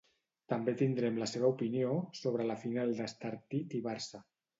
També tindrem la seva opinió sobre la final d'Estartit i Barça.